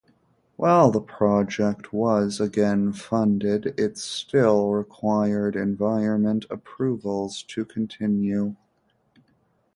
While the project was again funded, it still required environment approvals to continue.